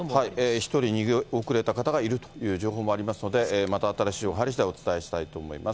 １人逃げ遅れた方がいるという情報もありますので、また新しい情報が入りしだい、お伝えしたいと思います。